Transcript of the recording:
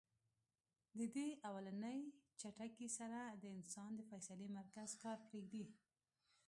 د دې اولنۍ جټکې سره د انسان د فېصلې مرکز کار پرېږدي -